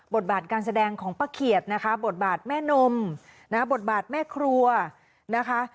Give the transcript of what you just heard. บทบาทการแสดงของป้าเขียดนะคะบทบาทแม่นมนะคะบทบาทแม่ครัวนะคะ